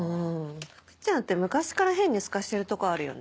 福ちゃんって昔から変にスカしてるとこあるよね。